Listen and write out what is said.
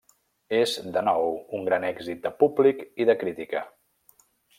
És de nou un gran èxit de públic i de crítica.